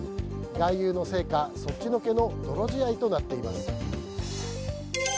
外遊の成果そっちのけの泥仕合となっています。